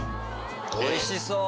おいしそう！